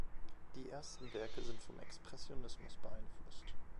Die ersten Werke sind vom Expressionismus beeinflusst.